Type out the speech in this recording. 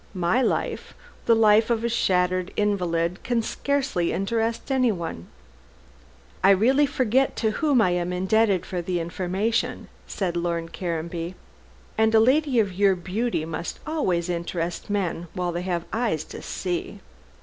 My life the life of a shattered invalid can scarcely interest anyone." "I really forget to whom I am indebted for the information," said Lord Caranby mendaciously, "and a lady of your beauty must always interest men while they have eyes to see.